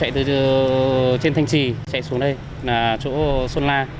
trên thanh trì chạy xuống đây là chỗ sôn la